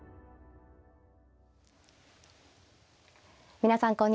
皆さんこんにちは。